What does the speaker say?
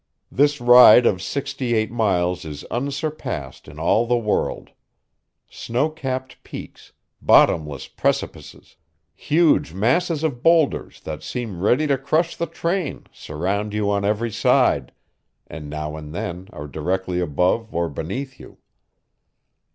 This ride of sixty eight miles is unsurpassed in all the world. Snow capped peaks, bottomless precipices, huge masses of boulders that seem ready to crush the train surround you on every side, and now and then are directly above or beneath you.